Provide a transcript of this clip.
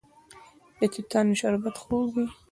د توتانو شربت خوږ وي.